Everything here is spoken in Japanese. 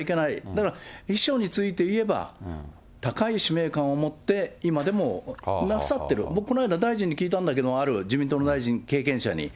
だから、秘書についていえば、高い使命感を持って今でもなさってる、僕、この間、大臣に聞いたんだけど、ある自民党の大臣経験者に。